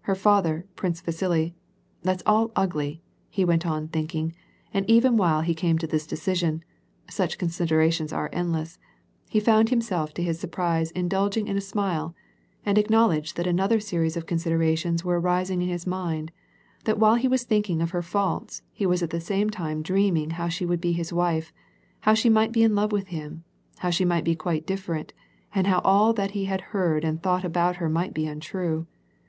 Her father — Prince Vasili — it's all ugly," he went on thinking, and even while he came to this decision, — such considerations are endless, — he found himself to his surprise indulging in a smile, and acknowledged that another series of considerations were arising in his mind ; that while he was thinking of her faults he was at the same time dreaming how she would \ye his wife, how she might be in love with him, how she might be quite different, and how all that he had heard and thought about her might be untrue.